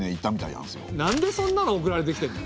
なんでそんなの送られてきてるの？